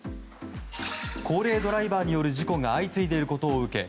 高齢ドライバーによる事故が相次いでいることを受け